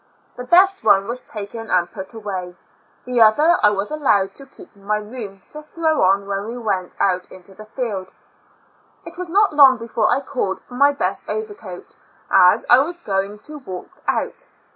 The best one was taken and put away; the other I was allowed to keep in my room to throw on when we went out in the field. It was not long before I called for my best overcoat, as I was going to walk out.